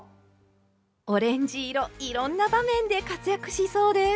オレンジ色いろんな場面で活躍しそうです。